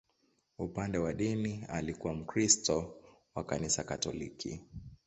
Upande wa dini, alikuwa Mkristo wa Kanisa Katoliki.